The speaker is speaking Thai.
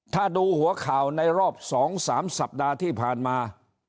ถ้าดูหัวข่าวในรอบ๒๓สัปดาห์ที่ผ่านมา